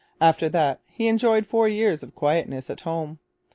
After that he enjoyed four years of quietness at home.